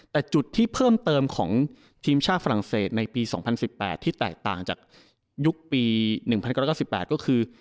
แต่จุดที่เพิ่มเติมของทีมชาติฝรั่งเศสในปี๒๐๑๘ที่แตกต่างจากยุคปี๑๙๙๘ก็คือ